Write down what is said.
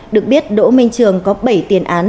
được biết đỗ minh trường có bảy tiền án